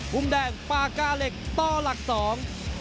มุมแดงปากกาเหล็กต่อหลักสอง